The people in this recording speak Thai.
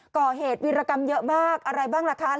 ก่อเหตุวิรกรรมเยอะมากอะไรบ้างล่ะคะ